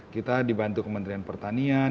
kita dibantu kementerian pertanian